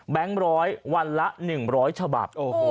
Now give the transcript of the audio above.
แบงก์ร้อยวันละ๑๐๐ฉบับ